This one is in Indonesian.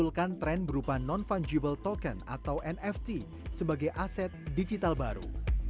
mengumpulkan tren berupa non fungible token atau nft sebagai aset digital baru